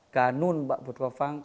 kanun yang diberikan oleh putra fang